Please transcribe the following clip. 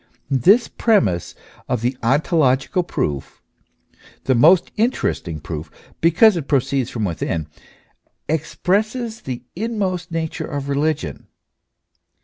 This premiss of the ontological proof the most interesting proof, because it proceeds from within ex presses the inmost nature of religion.